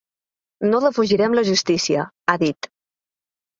No defugirem la justícia, ha dit.